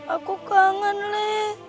aku kangen le